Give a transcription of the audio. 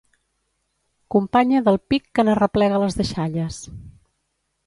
Companya del pic que n'arreplega les deixalles.